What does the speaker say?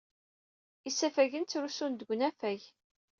Isafagen ttrusun-d deg unafag.